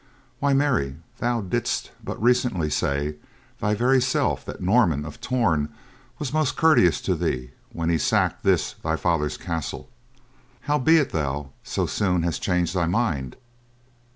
"Why, Mary, thou didst but recently say thy very self that Norman of Torn was most courteous to thee when he sacked this, thy father's castle. How be it thou so soon hast changed thy mind?"